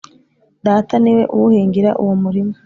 Data ni we uwuhingira uwo murima